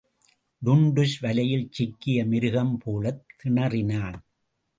டுன்டுஷ் வலையில் சிக்கிய மிருகம்போலத் திணறினான்.